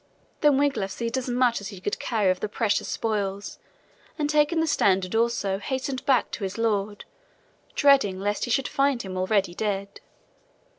Then Wiglaf seized as much as he could carry of the precious spoils, and taking the standard also, hastened back to his lord, dreading lest he should find him already dead.